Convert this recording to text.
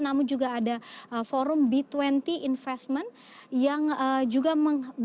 namun juga ada forum b dua puluh investment yang juga